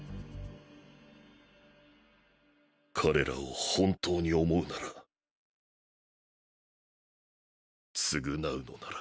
彼らを本当に思うなら償うのなら